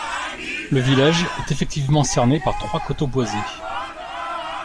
Le village est effectivement cerné par trois coteaux boisés.